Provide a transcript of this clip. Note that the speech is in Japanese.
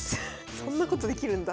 そんなことできるんだ。